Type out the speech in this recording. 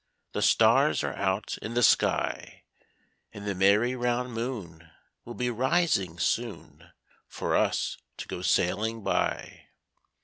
'The stars are out in the sky; And the merry round moon will be rising soon, For us to go sailing by.'